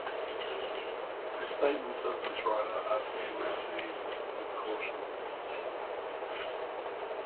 The statements of this writer are to be received with caution.